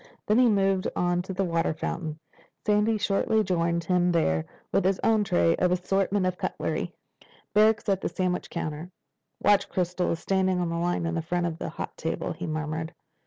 Then he moved on to the water fountain. Sandy shortly joined him there with his own tray and an assortment of cutlery. "Barrack's at the sandwich counter. Watch Crystal is standing in line in front of the hot table," Ken murmured.